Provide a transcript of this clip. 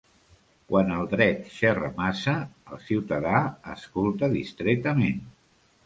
Quan el dret xerra massa, el ciutadà escolta distretament.